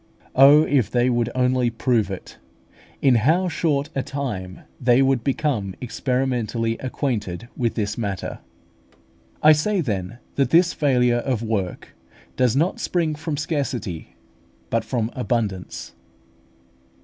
Oh, if they would only prove it! in how short a time they would become experimentally acquainted with this matter! I say, then, that this failure of work does not spring from scarcity, but from abundance.